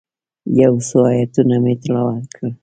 یو څو آیتونه مې تلاوت کړل.